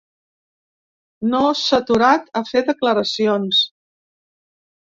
No s’ha aturat a fer declaracions.